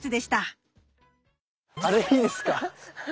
あれいいですか？